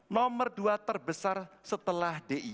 nomor dua terbesar setelah di